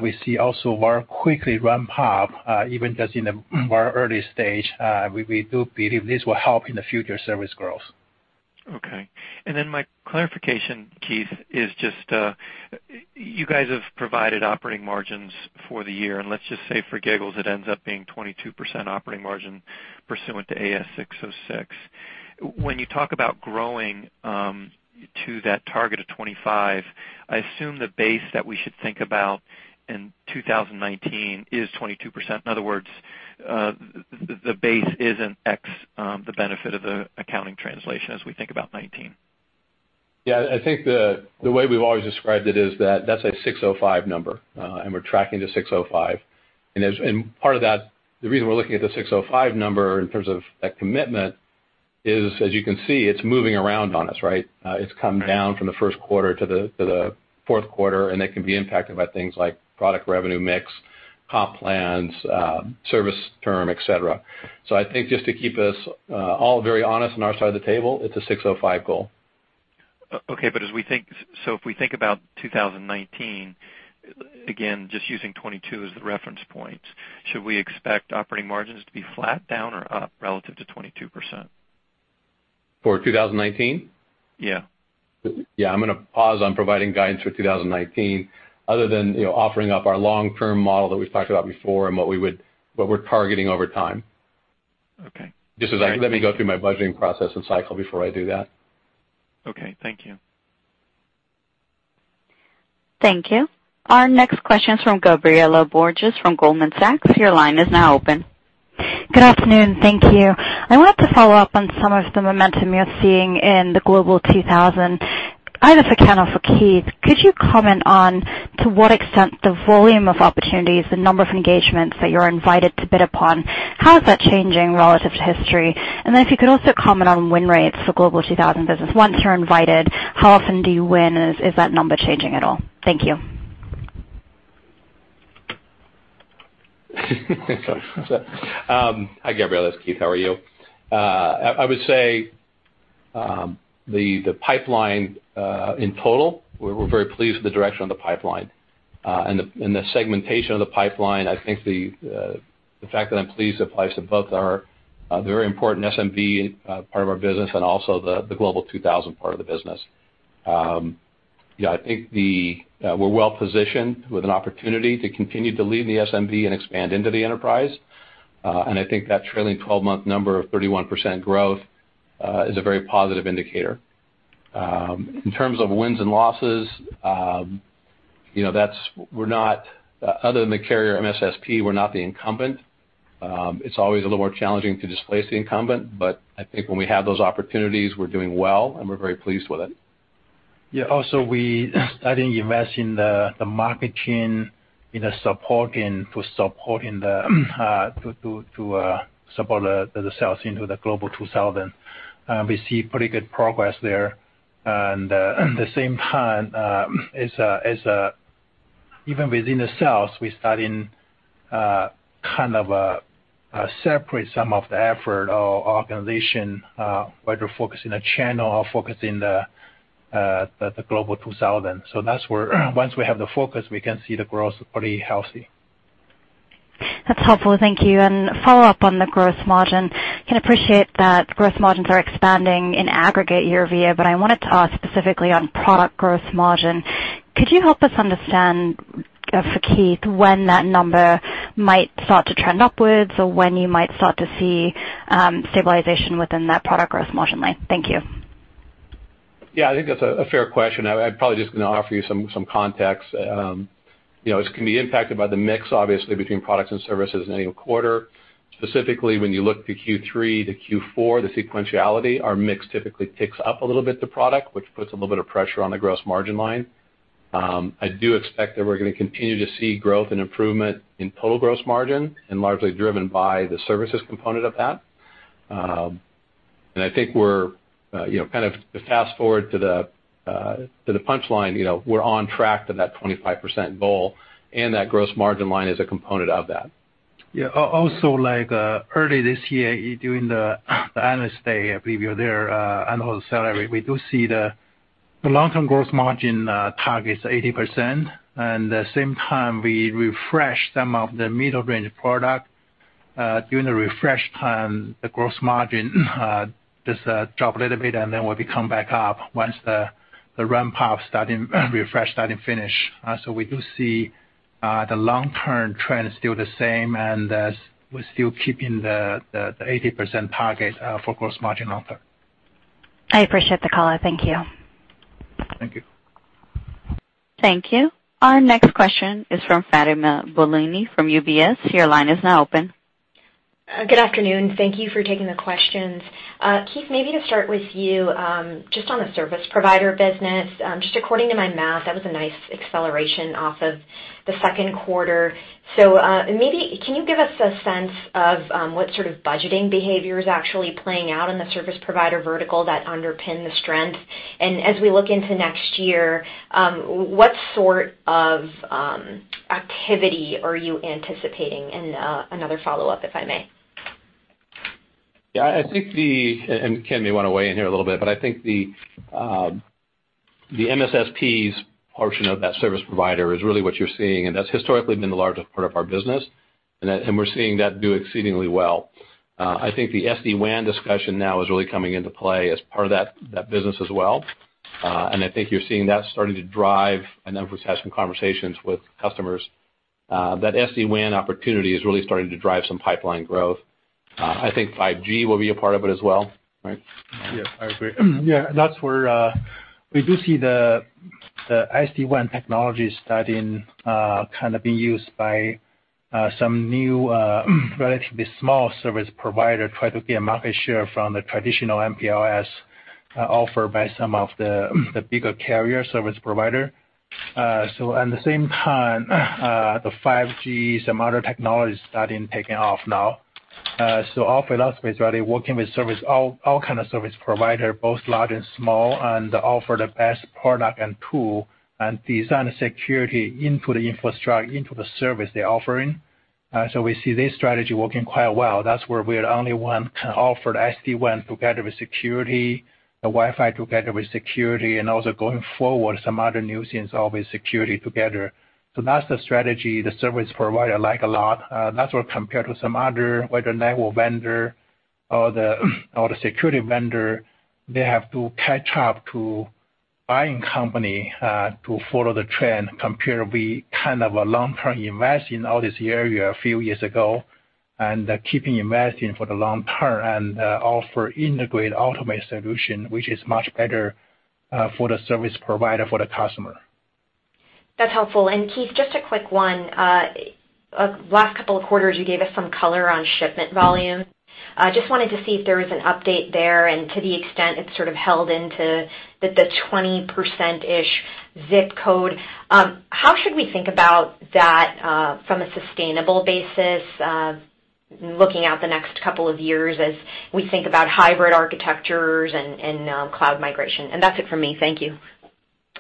we see also very quickly ramp up, even just in a very early stage. We do believe this will help in the future service growth. Okay. My clarification, Keith, is just, you guys have provided operating margins for the year, and let's just say for giggles, it ends up being 22% operating margin pursuant to ASC 606. When you talk about growing to that target of 25, I assume the base that we should think about in 2019 is 22%. In other words, the base isn't X the benefit of the accounting translation as we think about 2019. Yeah, I think the way we've always described it is that that's an ASC 605 number, and we're tracking to ASC 605. Part of that, the reason we're looking at the ASC 605 number in terms of that commitment is, as you can see, it's moving around on us, right? It's come down from the first quarter to the fourth quarter, and that can be impacted by things like product revenue mix, comp plans, service term, et cetera. I think just to keep us all very honest on our side of the table, it's an ASC 605 goal. Okay, if we think about 2019, again, just using 22 as the reference point, should we expect operating margins to be flat, down or up relative to 22%? For 2019? Yeah. Yeah. I'm going to pause on providing guidance for 2019 other than offering up our long-term model that we've talked about before and what we're targeting over time. Okay. Just let me go through my budgeting process and cycle before I do that. Okay. Thank you. Thank you. Our next question is from Gabriela Borges from Goldman Sachs. Your line is now open. Good afternoon. Thank you. I wanted to follow up on some of the momentum you're seeing in the Global 2000. Either for Ken or for Keith, could you comment on to what extent the volume of opportunities, the number of engagements that you're invited to bid upon, how is that changing relative to history? Then if you could also comment on win rates for Global 2000 business. Once you're invited, how often do you win? Is that number changing at all? Thank you. Hi, Gabriela, it's Keith. How are you? I would say, the pipeline in total, we're very pleased with the direction of the pipeline. The segmentation of the pipeline, I think the fact that I'm pleased applies to both our very important SMB part of our business and also the Global 2000 part of the business. Yeah, I think we're well-positioned with an opportunity to continue to lead the SMB and expand into the enterprise. I think that trailing 12-month number of 31% growth is a very positive indicator. In terms of wins and losses, other than the carrier MSSP, we're not the incumbent. It's always a little more challenging to displace the incumbent, but I think when we have those opportunities, we're doing well, and we're very pleased with it. Yeah, also we are starting to invest in the marketing for supporting the sales into the Global 2000. We see pretty good progress there. At the same time, even within the sales, we're starting to kind of separate some of the effort or organization, whether focusing on channel or focusing on the Global 2000. That's where once we have the focus, we can see the growth pretty healthy. That's helpful. Thank you. Follow up on the gross margin. Can appreciate that gross margins are expanding in aggregate year-over-year, I wanted to ask specifically on product gross margin. Could you help us understand, for Keith, when that number might start to trend upwards or when you might start to see stabilization within that product gross margin line? Thank you. Yeah, I think that's a fair question. I'm probably just going to offer you some context. This can be impacted by the mix, obviously, between products and services in any quarter. Specifically, when you look to Q3 to Q4, the sequentiality, our mix typically ticks up a little bit to product, which puts a little bit of pressure on the gross margin line. I do expect that we're going to continue to see growth and improvement in total gross margin and largely driven by the services component of that. I think we're, kind of to fast-forward to the punchline, we're on track to that 25% goal, and that gross margin line is a component of that. Yeah. Also, early this year, during the analyst day preview there, annual salary, we do see the long-term gross margin target's 80%, and the same time we refresh some of the middle-range product. During the refresh time, the gross margin does drop a little bit, and then will come back up once the ramp up refresh starting finish. We do see the long-term trend is still the same, and we're still keeping the 80% target for gross margin long term. I appreciate the color. Thank you. Thank you. Thank you. Our next question is from Fatima Boolani from UBS. Your line is now open. Good afternoon. Thank you for taking the questions. Keith, maybe to start with you, just on the service provider business. Just according to my math, that was a nice acceleration off of the second quarter. Maybe can you give us a sense of what sort of budgeting behavior is actually playing out in the service provider vertical that underpin the strength? As we look into next year, what sort of activity are you anticipating? Another follow-up, if I may. Yeah, Ken may want to weigh in here a little bit, but I think the MSSP's portion of that service provider is really what you're seeing, and that's historically been the largest part of our business. We're seeing that do exceedingly well. I think the SD-WAN discussion now is really coming into play as part of that business as well. I think you're seeing that starting to drive, and then of course having conversations with customers, that SD-WAN opportunity is really starting to drive some pipeline growth. I think 5G will be a part of it as well, right? Yes, I agree. Yeah, that's where we do see the SD-WAN technology starting kind of being used by some new, relatively small service provider try to get market share from the traditional MPLS offered by some of the bigger carrier service provider. At the same time, the 5G, some other technology starting taking off now. Our philosophy is really working with all kind of service provider, both large and small, and offer the best product and tool and design the security into the service they're offering. We see this strategy working quite well. That's where we're the only one can offer SD-WAN together with security, the Wi-Fi together with security, and also going forward, some other new things, always security together. That's the strategy the service provider like a lot. That's where compared to some other, whether network vendor or the security vendor, they have to catch up to buying company to follow the trend compared we kind of a long-term invest in all this area a few years ago and keeping investing for the long term and offer integrated automated solution, which is much better for the service provider, for the customer. That's helpful. Keith, just a quick one. Last couple of quarters, you gave us some color on shipment volume. Just wanted to see if there was an update there, and to the extent it's sort of held into the 20%-ish zip code. How should we think about that from a sustainable basis, looking out the next couple of years as we think about hybrid architectures and cloud migration? That's it for me. Thank you.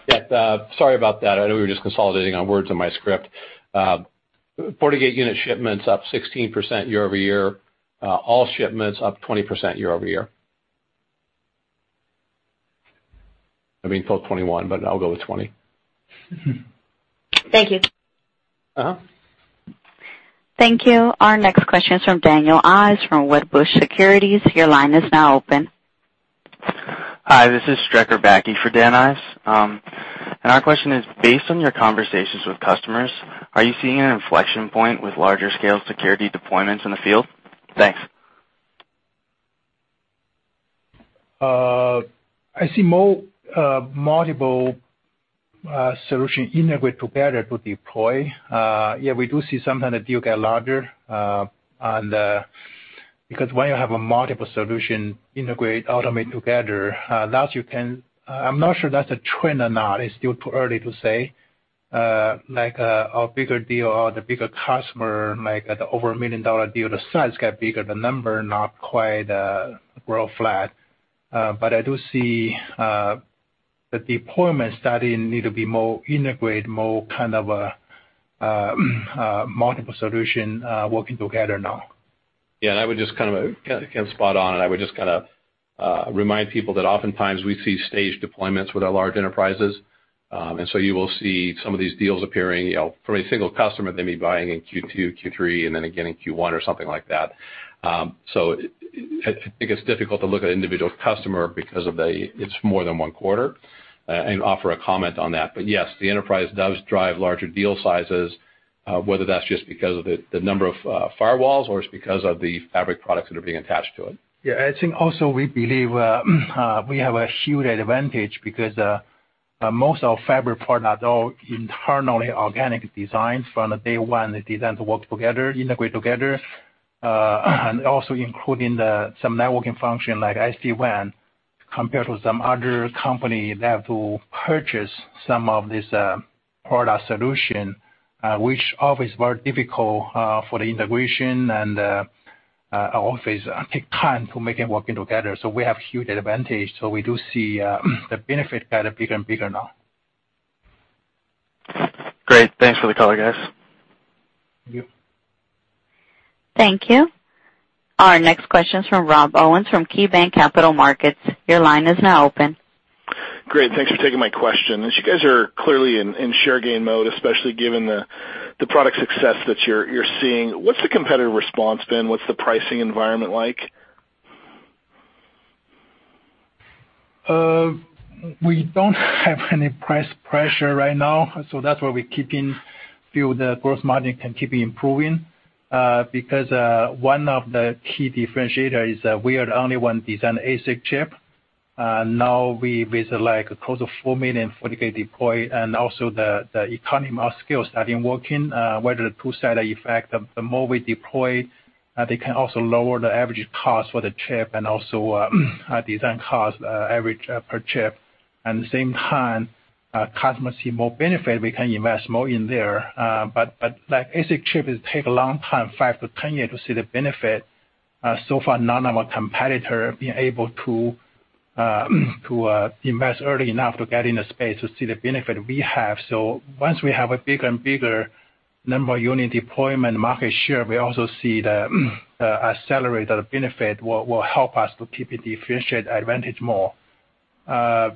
Yeah. Sorry about that. I know we were just consolidating on words in my script. FortiGate unit shipments up 16% year-over-year. All shipments up 20% year-over-year. I mean, quote 21, but I'll go with 20. Thank you. Thank you. Our next question is from Daniel Ives from Wedbush Securities. Your line is now open. Hi, this is Strecker Backe for Dan Ives. Our question is, based on your conversations with customers, are you seeing an inflection point with larger scale security deployments in the field? Thanks. I see multiple solution integrate together to deploy. We do see sometimes the deal get larger, because when you have a multiple solution integrate, automate together. I'm not sure that's a trend or not. It's still too early to say. Like a bigger deal or the bigger customer, like at the over a million-dollar deal, the size get bigger, the number not quite grow flat. I do see the deployment starting need to be more integrate, more kind of a multiple solution working together now. Ken's spot on, and I would just kind of remind people that oftentimes we see staged deployments with our large enterprises. You will see some of these deals appearing from a single customer, they may be buying in Q2, Q3, and then again in Q1 or something like that. I think it's difficult to look at an individual customer because it's more than one quarter and offer a comment on that. Yes, the enterprise does drive larger deal sizes, whether that's just because of the number of firewalls or it's because of the fabric products that are being attached to it. I think also we believe we have a huge advantage because most of our fabric partners are internally organic designs from day one. They're designed to work together, integrate together. Also including some networking function like SD-WAN, compared with some other company that will purchase some of this product solution, which obviously is very difficult for the integration and always take time to make it working together. We have huge advantage. We do see the benefit getting bigger and bigger now. Great. Thanks for the color, guys. Thank you. Thank you. Our next question is from Rob Owens from KeyBanc Capital Markets. Your line is now open. Great. Thanks for taking my question. As you guys are clearly in share gain mode, especially given the product success that you're seeing, what's the competitive response been? What's the pricing environment like? That's why we're keeping feel the gross margin can keep improving. One of the key differentiator is that we are the only one design ASIC chip. Now we visit close to 4 million FortiGate deployed and also the economy of scale starting working, where the two side effect, the more we deploy, they can also lower the average cost for the chip and also design cost average per chip. At the same time, customers see more benefit, we can invest more in there. ASIC chip take a long time, 5-10 years to see the benefit. Far, none of our competitor being able to invest early enough to get in the space to see the benefit we have. Once we have a bigger and bigger number unit deployment market share, we also see the accelerator benefit will help us to keep a differentiate advantage more. Yeah.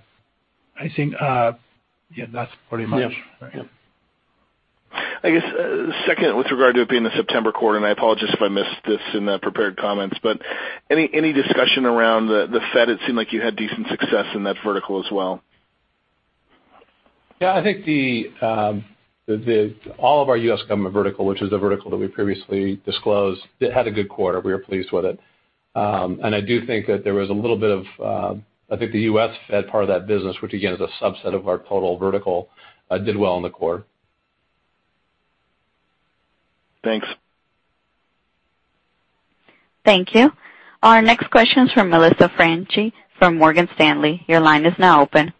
Right. I guess, second, with regard to it being the September quarter, and I apologize if I missed this in the prepared comments, but any discussion around the Fed? It seemed like you had decent success in that vertical as well. Yeah, I think all of our U.S. government vertical, which is the vertical that we previously disclosed, it had a good quarter. We were pleased with it. I do think that there was a little bit of, I think the U.S. Fed part of that business, which again, is a subset of our total vertical, did well in the quarter. Thanks. Thank you. Our next question is from Melissa Franchi from Morgan Stanley. Your line is now open.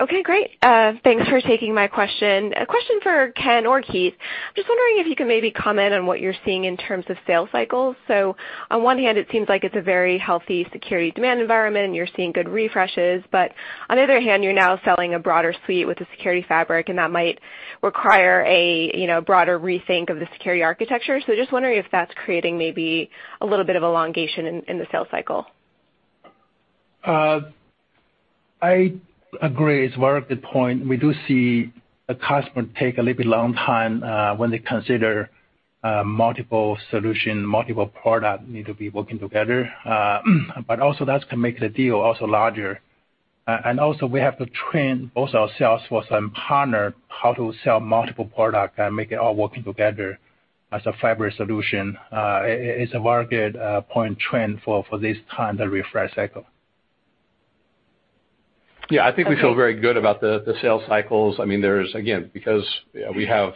Okay, great. Thanks for taking my question. A question for Ken or Keith. Just wondering if you could maybe comment on what you're seeing in terms of sales cycles. On one hand, it seems like it's a very healthy security demand environment and you're seeing good refreshes. On the other hand, you're now selling a broader suite with the Security Fabric, and that might require a broader rethink of the security architecture. Just wondering if that's creating maybe a little bit of elongation in the sales cycle. I agree. It's very good point. We do see a customer take a little bit long time, when they consider multiple solution, multiple product need to be working together. Also that can make the deal also larger. Also we have to train both our sales force and partner how to sell multiple product and make it all working together as a Fabric Solution. It's a very good point trend for this time, the refresh cycle. I think we feel very good about the sales cycles. There is, again, because we have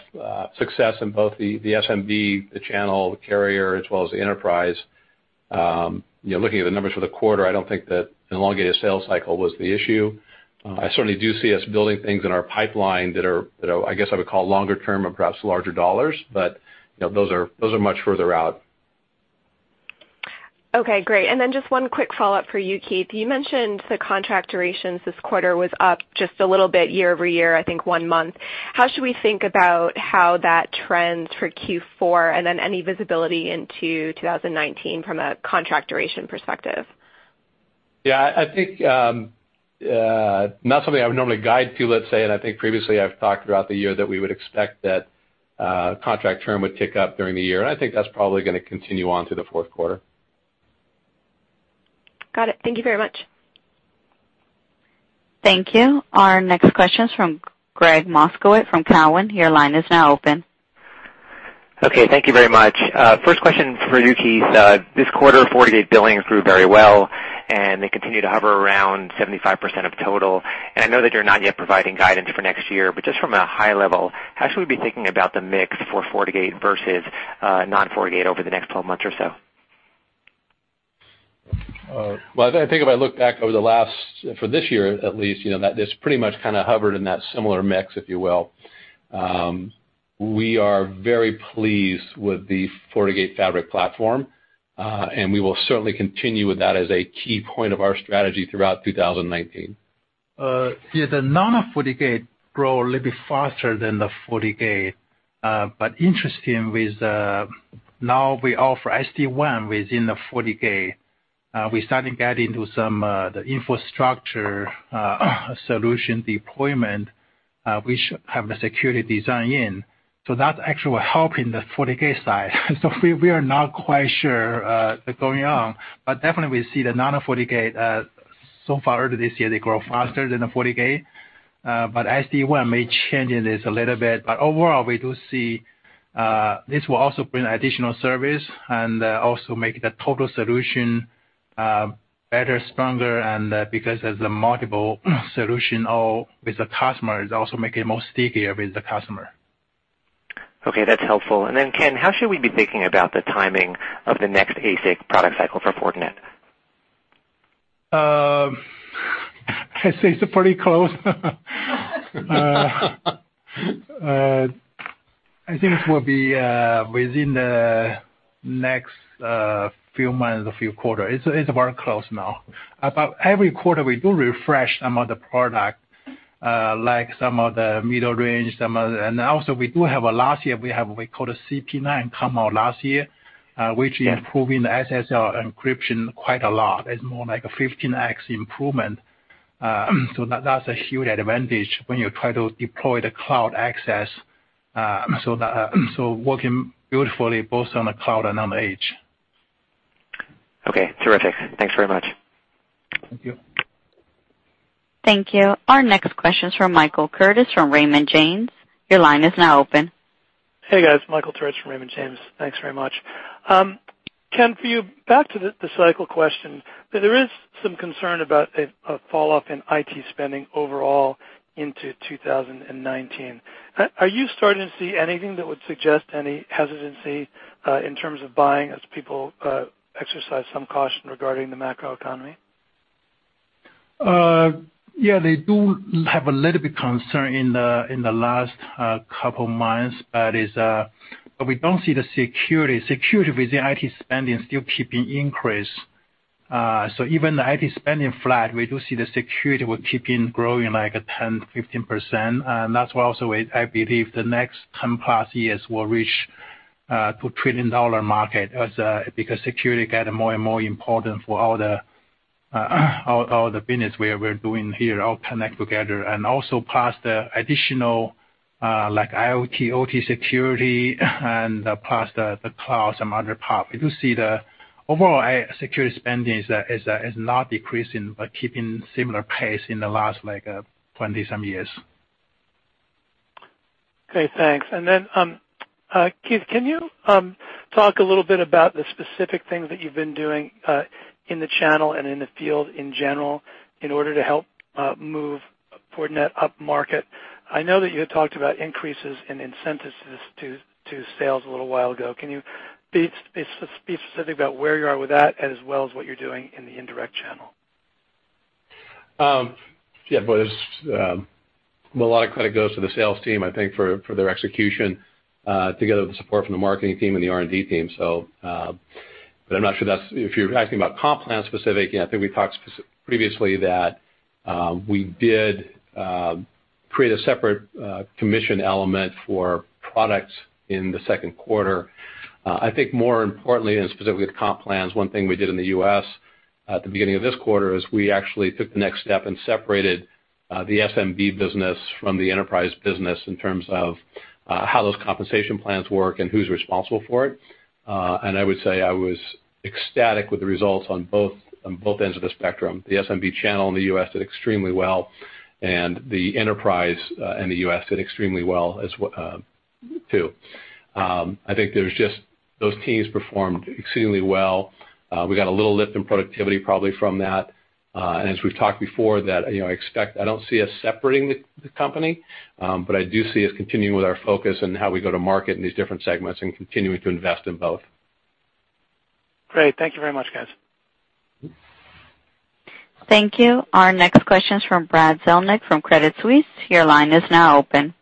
success in both the SMB, the channel, the carrier, as well as the enterprise. Looking at the numbers for the quarter, I don't think that elongated sales cycle was the issue. I certainly do see us building things in our pipeline that are, I guess I would call longer term or perhaps larger dollars. Those are much further out. Okay, great. Just one quick follow-up for you, Keith. You mentioned the contract durations this quarter was up just a little bit year-over-year, I think one month. How should we think about how that trends for Q4? Any visibility into 2019 from a contract duration perspective? Yeah, I think, not something I would normally guide to, let's say. I think previously I've talked throughout the year that we would expect that contract term would tick up during the year, and I think that's probably going to continue on to the fourth quarter. Got it. Thank you very much. Thank you. Our next question is from Gregg Moskowitz from Cowen. Your line is now open. Okay, thank you very much. First question for you, Keith. This quarter, FortiGate billing grew very well, and they continue to hover around 75% of total. I know that you're not yet providing guidance for next year, but just from a high level, how should we be thinking about the mix for FortiGate versus non-FortiGate over the next 12 months or so? Well, I think if I look back over the last, for this year at least, that it's pretty much hovered in that similar mix, if you will. We are very pleased with the FortiGate Fabric platform. We will certainly continue with that as a key point of our strategy throughout 2019. Yeah, the non-FortiGate grow a little bit faster than the FortiGate. Interesting with now we offer SD-WAN within the FortiGate. We're starting to get into the infrastructure solution deployment, which have the security design in. That actually will help in the FortiGate side. We are not quite sure what's going on, but definitely we see the non-FortiGate, so far this year, they grow faster than the FortiGate. SD-WAN may change this a little bit, but overall, we do see this will also bring additional service and also make the total solution better, stronger, and because as a multiple solution with the customer, it also make it more stickier with the customer. Okay, that's helpful. Then Ken, how should we be thinking about the timing of the next ASIC product cycle for Fortinet? I say it's pretty close. I think it will be within the next few months, a few quarter. It's very close now. About every quarter, we do refresh some of the product, like some of the middle range. Also we do have, last year, we have what we call a CP9 come out last year, which improving the SSL encryption quite a lot. It's more like a 15X improvement. That's a huge advantage when you try to deploy the cloud access. Working beautifully both on the cloud and on the edge. Okay, terrific. Thanks very much. Thank you. Thank you. Our next question is from Michael Turits from Raymond James. Your line is now open. Hey, guys. Michael Turits from Raymond James. Thanks very much. Ken, for you, back to the cycle question, there is some concern about a falloff in IT spending overall into 2019. Are you starting to see anything that would suggest any hesitancy, in terms of buying as people exercise some caution regarding the macroeconomy? Yeah, they do have a little bit concern in the last couple months. We don't see the security. Security with the IT spending still keeping increase. Even the IT spending flat, we do see the security will keeping growing like 10%-15%. That's why also I believe the next 10+ years will reach to trillion dollar market, because security get more and more important for all the business where we're doing here, all connect together. Also pass the additional like IoT, OT security, and pass the cloud, some other part. We do see the overall security spending has not decreased, but keeping similar pace in the last like 20 some years. Okay, thanks. Then, Keith, can you talk a little bit about the specific things that you've been doing, in the channel and in the field in general in order to help move Fortinet up market? I know that you had talked about increases in incentives to sales a little while ago. Can you be specific about where you are with that, as well as what you're doing in the indirect channel? Yeah. A lot of credit goes to the sales team, I think, for their execution, together with the support from the marketing team and the R&D team. If you're asking about comp plan specific, I think we talked previously that we did create a separate commission element for products in the second quarter. I think more importantly, and specifically with comp plans, one thing we did in the U.S. at the beginning of this quarter is we actually took the next step and separated the SMB business from the enterprise business in terms of how those compensation plans work and who's responsible for it. I would say I was ecstatic with the results on both ends of the spectrum. The SMB channel in the U.S. did extremely well, and the enterprise in the U.S. did extremely well too. I think those teams performed exceedingly well. We got a little lift in productivity probably from that. As we've talked before, I don't see us separating the company, but I do see us continuing with our focus on how we go to market in these different segments and continuing to invest in both. Great. Thank you very much, guys. Thank you. Our next question is from Brad Zelnick from Credit Suisse. Your line is now open.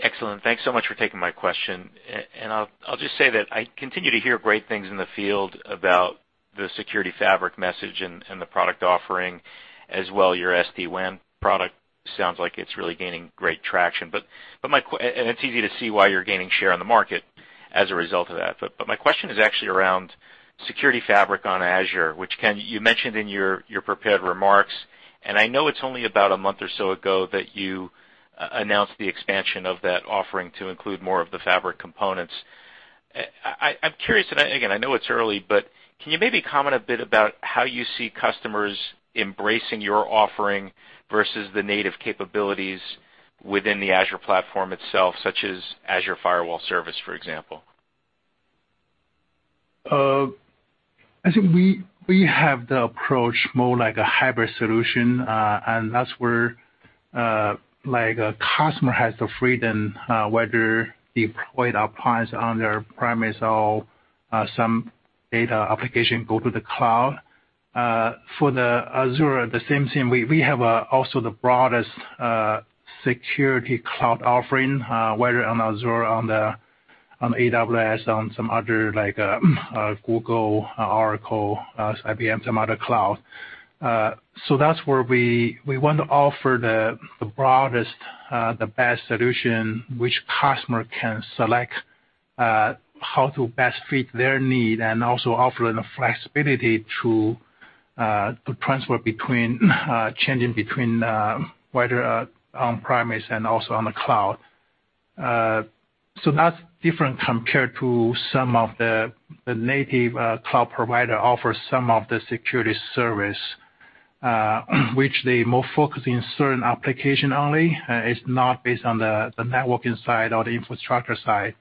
Excellent. Thanks so much for taking my question. I'll just say that I continue to hear great things in the field about the Security Fabric message and the product offering, as well your SD-WAN product sounds like it's really gaining great traction. It's easy to see why you're gaining share on the market as a result of that. My question is actually around Security fabric on Azure, which Ken, you mentioned in your prepared remarks. I know it's only about a month or so ago that you announced the expansion of that offering to include more of the fabric components. I'm curious, again, I know it's early, but can you maybe comment a bit about how you see customers embracing your offering versus the native capabilities within the Azure platform itself, such as Azure Firewall service, for example? I think we have the approach more like a hybrid solution, that's where customer has the freedom, whether deployed appliance on their premise or some data application go to the cloud. For the Azure, the same thing. We have also the broadest security cloud offering, whether on Azure, on AWS, on some other, like Google, Oracle, IBM, some other cloud. That's where we want to offer the broadest, the best solution which customer can select how to best fit their need and also offering the flexibility to transfer between changing between whether on-premise and also on the cloud. That's different compared to some of the native cloud provider offers some of the security service which they more focus in certain application only. It's not based on the networking side or the infrastructure side.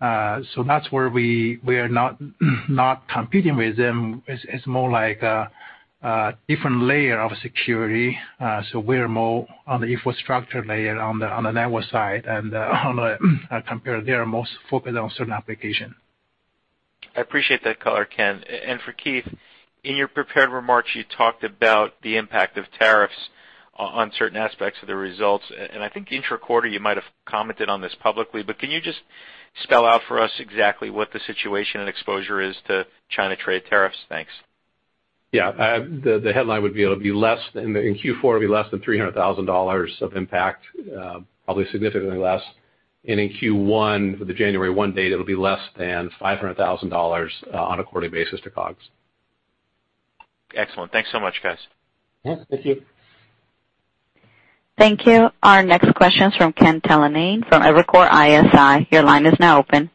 That's where we are not competing with them. It's more like a different layer of security. We are more on the infrastructure layer on the network side and on the compared they are most focused on certain applications. I appreciate that color, Ken. For Keith, in your prepared remarks, you talked about the impact of tariffs on certain aspects of the results. I think intra-quarter, you might have commented on this publicly, but can you just spell out for us exactly what the situation and exposure is to China trade tariffs? Thanks. Yeah. The headline would be it'll be less than, in Q4, it'll be less than $300,000 of impact. Probably significantly less. In Q1, with the January 1 date, it'll be less than $500,000 on a quarterly basis to COGS. Excellent. Thanks so much, guys. Yeah, thank you. Thank you. Our next question is from Ken Talanian from Evercore ISI. Your line is now open.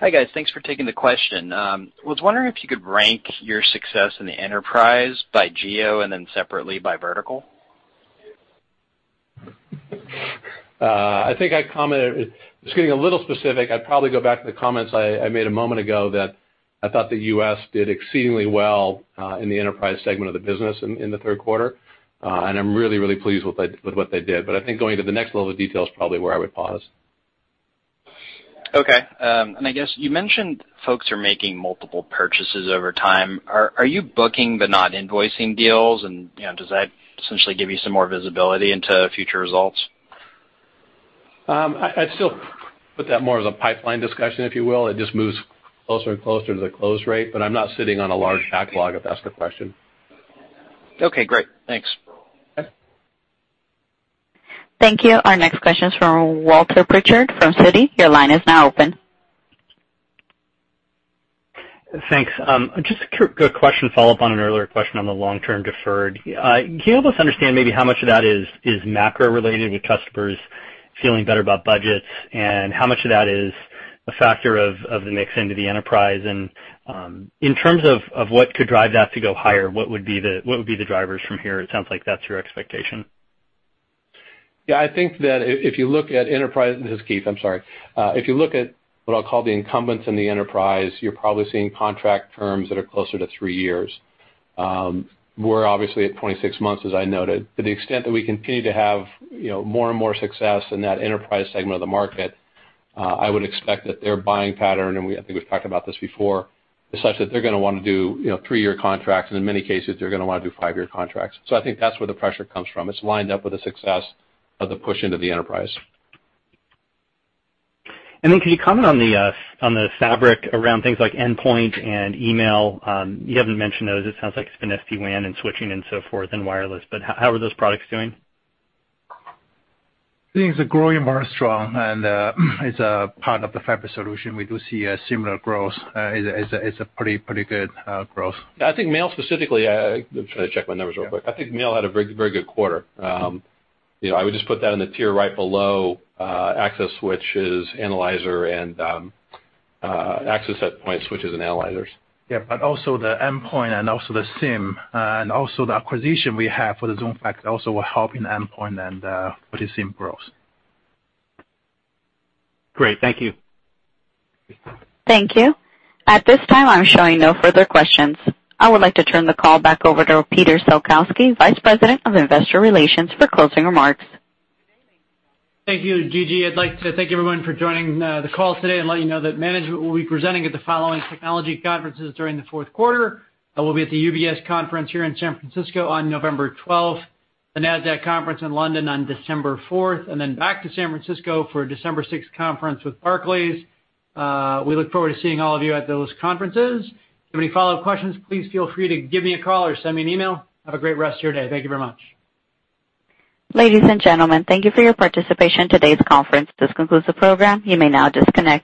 Hi, guys. Thanks for taking the question. I was wondering if you could rank your success in the enterprise by geo and then separately by vertical. I think I commented, just getting a little specific, I'd probably go back to the comments I made a moment ago that I thought the U.S. did exceedingly well, in the enterprise segment of the business in the third quarter. I'm really, really pleased with what they did. I think going to the next level of detail is probably where I would pause. I guess you mentioned folks are making multiple purchases over time. Are you booking but not invoicing deals? Does that essentially give you some more visibility into future results? I'd still put that more as a pipeline discussion, if you will. It just moves closer and closer to the close rate, but I'm not sitting on a large backlog, if that's the question. Okay, great. Thanks. Okay. Thank you. Our next question is from Walter Pritchard from Citi. Your line is now open. Thanks. Just a quick question, follow up on an earlier question on the long-term deferred. Can you help us understand maybe how much of that is macro related with customers feeling better about budgets and how much of that is a factor of the mix into the enterprise and, in terms of what could drive that to go higher, what would be the drivers from here? It sounds like that's your expectation. Yeah, I think that if you look at enterprise. This is Keith, I'm sorry. If you look at what I'll call the incumbents in the enterprise, you're probably seeing contract terms that are closer to three years. We're obviously at 26 months, as I noted. To the extent that we continue to have more and more success in that enterprise segment of the market, I would expect that their buying pattern, and we, I think we've talked about this before, is such that they're gonna want to do three-year contracts, and in many cases, they're gonna want to do five-year contracts. I think that's where the pressure comes from. It's lined up with the success of the push into the enterprise. Could you comment on the fabric around things like endpoint and email? You haven't mentioned those. It sounds like it's been SD-WAN and switching and so forth, and wireless, but how are those products doing? Things are growing very strong, and it's a part of the fabric solution. We do see a similar growth. It's a pretty good growth. I think FortiMail specifically. Let me try to check my numbers real quick. I think FortiMail had a very good quarter. I would just put that in the tier right below access switches, FortiAnalyzer and access set point switches and FortiAnalyzers. Also the endpoint and also the SIEM, and also the acquisition we have for the ZoneFox also will help in endpoint and with the SIEM growth. Great. Thank you. Thank you. At this time, I'm showing no further questions. I would like to turn the call back over to Peter Salkowski, Vice President of Investor Relations, for closing remarks. Thank you, Gigi. I'd like to thank everyone for joining the call today and let you know that management will be presenting at the following technology conferences during the fourth quarter. I will be at the UBS conference here in San Francisco on November 12th, the Nasdaq conference in London on December fourth, and then back to San Francisco for a December sixth conference with Barclays. We look forward to seeing all of you at those conferences. If you have any follow-up questions, please feel free to give me a call or send me an email. Have a great rest of your day. Thank you very much. Ladies and gentlemen, thank you for your participation in today's conference. This concludes the program. You may now disconnect.